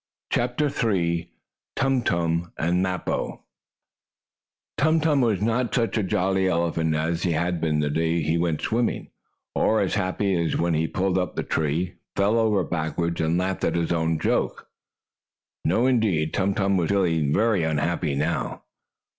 CHAPTER III TUM TUM AND MAPPO Tum Tum was not now such a jolly elephant as he had been the day he went in swimming, or as happy as when he pulled up the tree, fell over backward, and laughed at his own joke. No, indeed! Tum Tum was feeling very unhappy now.